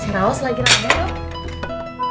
si raus lagi rame